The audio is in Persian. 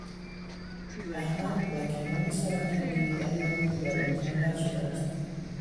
احمد با کمال سرافکندگی دریافت که در امتحان رد شده است.